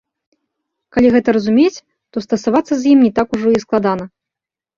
Калі гэта разумець, то стасавацца з ім не так ужо і складана.